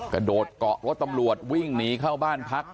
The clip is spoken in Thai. กระโดดเกาะรถตำรวจวิ่งหนีเข้าบ้านพัก